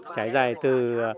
trái dài từ